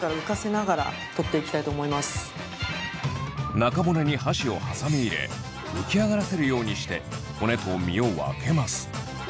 中骨に箸を挟み入れ浮き上がらせるようにして骨と身を分けます。